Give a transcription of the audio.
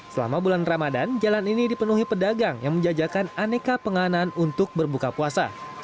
selama bulan ramadan jalan ini dipenuhi pedagang yang menjajakan aneka penganan untuk berbuka puasa